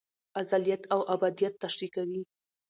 ازليت او ابديت تشريح کوي